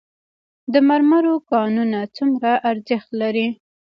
د مرمرو کانونه څومره ارزښت لري؟